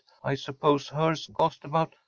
I suppose hers cost about $100.